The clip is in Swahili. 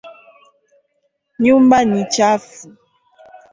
Nyumba ni chafu.